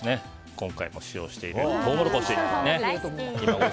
今回も使用しているトウモロコシです。